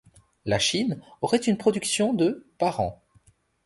La Chine aurait une production de par an.